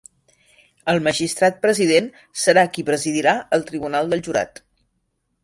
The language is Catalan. El Magistrat President serà qui presidirà el Tribunal del Jurat.